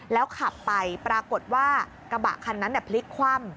แล้วขับไปปรากฏว่ากระบะคันนั้นพลิกคว่ำ